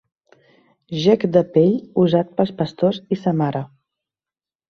Gec de pell usat pels pastors i sa mare.